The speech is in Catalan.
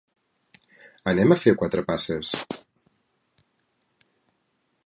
Anem a fer quatre passes.